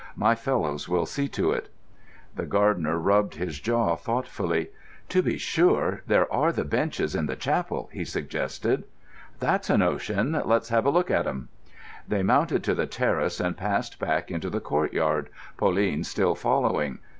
My fellows will see to it." The gardener rubbed his jaw thoughtfully. "To be sure there are the benches in the chapel," he suggested. "That's a notion. Let's have a look at 'em." They mounted to the terrace and passed back into the courtyard, Pauline still following.